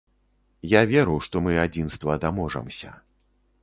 Я веру, што мы адзінства даможамся.